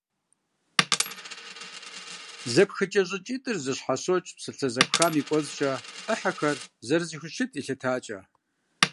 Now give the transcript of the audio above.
Зэпхыкӏэ щӏыкӏитӏыр зэщхьэщокӏ псалъэ зэпхам и кӏуэцӏкӏэ ӏыхьэхэр зэрызэхущыт елъытакӏэ.